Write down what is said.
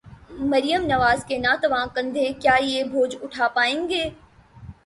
مریم نواز کے ناتواں کندھے، کیا یہ بوجھ اٹھا پائیں گے؟